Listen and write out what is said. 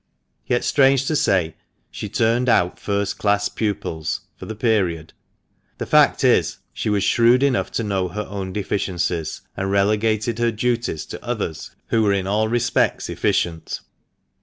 Yet, strange to say, she turned out first class pupils (for the period). The fact is, she was shrewd enough to know her own deficiencies, and relegated her duties to others who were in all respects efficient.